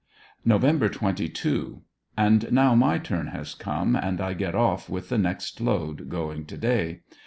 Nov. 23. — And now my turn has come, and I get off with the next load going to day.